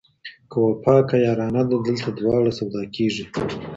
که وفا که یارانه ده دلته دواړه سودا کیږي